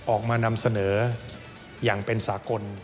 นำเสนออย่างเป็นสากล